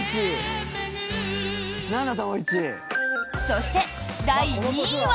そして、第２位は。